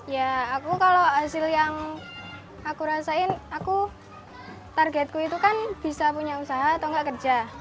ya aku kalau hasil yang aku rasain aku targetku itu kan bisa punya usaha atau nggak kerja